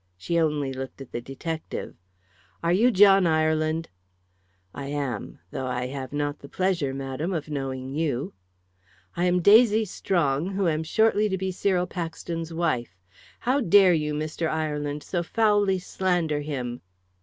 She only looked at the detective. "Are you John Ireland?" "I am. Though I have not the pleasure, madam, of knowing you." "I am Daisy Strong, who am shortly to be Cyril Paxton's wife. How dare you, Mr. Ireland, so foully slander him!"